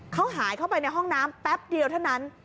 เขาหายเข้าไปในห้องน้ำแป๊บเดียวเท่านั้น